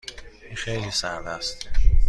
این خیلی سرد است.